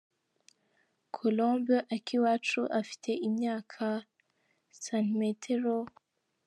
Colombe Akiwacu: Afite imyaka ,, cm.